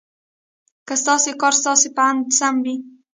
که ستاسې کار ستاسې په اند سم وي.